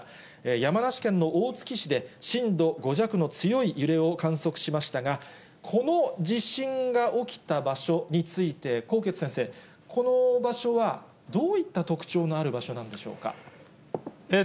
山梨県の大月市で震度５弱の強い揺れを観測しましたが、この地震が起きた場所について、纐纈先生、この場所はどういった特徴のある場所なんでしょうか。